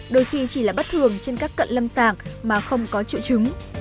đôi khi chỉ là bất thường trên các cận lâm sàng mà không có triệu chứng